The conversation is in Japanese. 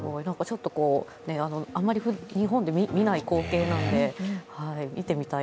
あまり日本で見ない光景なので見てみたい。